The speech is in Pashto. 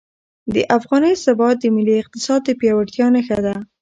د افغانۍ ثبات د ملي اقتصاد د پیاوړتیا نښه ده.